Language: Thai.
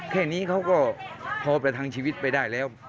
แค่นี้เขาก็พอประทังชีวิตไปได้แล้ว